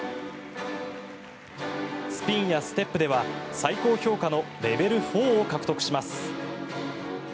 スピンやステップでは最高評価のレベル４を獲得します。